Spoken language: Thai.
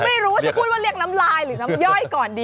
ไม่รู้ว่าจะพูดว่าเรียกน้ำลายหรือน้ำย่อยก่อนดี